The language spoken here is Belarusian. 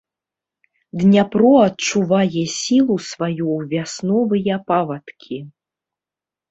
Дняпро адчувае сілу сваю ў вясновыя павадкі.